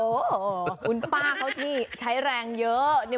โอ้โหคุณป้าเขาที่ใช้แรงเยอะ